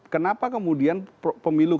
kenapa kemudian pemilukan